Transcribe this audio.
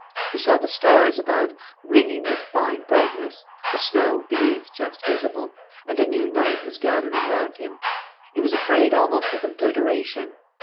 He saw the stars above ringing with fine brightness, the snow beneath just visible, and a new night was gathering round him. He was afraid almost with obliteration.